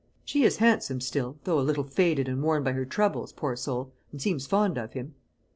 She is handsome still, though a little faded and worn by her troubles, poor soul! and seems fond of him."